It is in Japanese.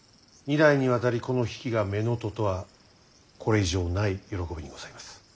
二代にわたりこの比企が乳母とはこれ以上ない喜びにございます。